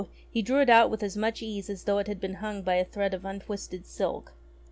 he drew it out with as much ease as though it had hung by a thread of un twisted silk.